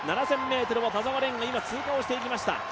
７０００を田澤廉が今、通過していきました。